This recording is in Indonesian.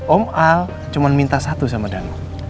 om al cuman minta satu sama danu